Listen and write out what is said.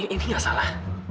ini nggak salah